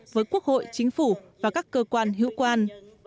với quốc hội chính phủ và các cơ quan hữu quan